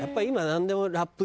「なんでもラップ」。